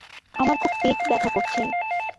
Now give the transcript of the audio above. আমার খুব পেট ব্যাথা করছে।